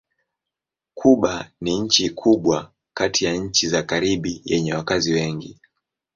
Kuba ni nchi kubwa kati ya nchi za Karibi yenye wakazi wengi.